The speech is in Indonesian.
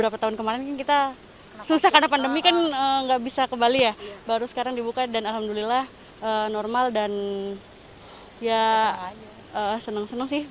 pada pandemi kan nggak bisa ke bali ya baru sekarang dibuka dan alhamdulillah normal dan ya seneng seneng sih